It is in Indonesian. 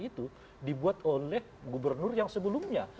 itu dibuat oleh gubernur yang sebelumnya